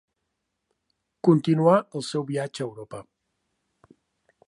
Continuà el seu viatge a Europa.